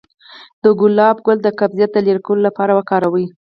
د ګلاب ګل د قبضیت د لرې کولو لپاره وکاروئ